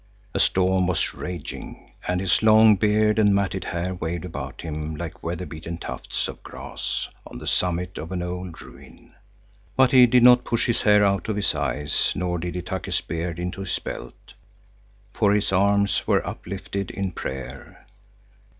A storm was raging, and his long beard and matted hair waved about him like weather beaten tufts of grass on the summit of an old ruin. But he did not push his hair out of his eyes, nor did he tuck his beard into his belt, for his arms were uplifted in prayer.